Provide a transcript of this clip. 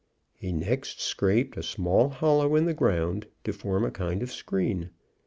He next scraped small hollow in the ground, to form a kind of screen.